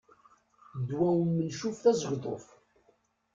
Ddwa umencuf d azegḍuf.